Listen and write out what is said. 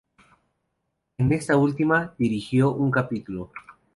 En esta última, dirigió un capítulo.